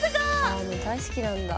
あもう大好きなんだ。